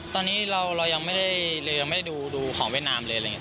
ตอนนี้เรายังไม่ได้ดูของเวียดนามเลย